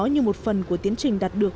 như một phần của tiến trình đạt được